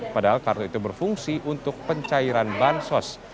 padahal kartu itu berfungsi untuk pencairan bansos